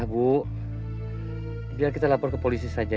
bapak jangan menguduh begitu aja